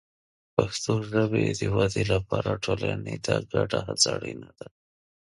د پښتو ژبې د ودې لپاره ټولنې ته ګډه هڅه اړینه ده.